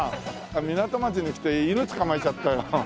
港町に来て犬捕まえちゃったよ。